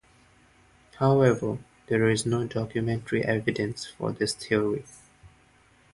However, there is no documentary evidence for this theory.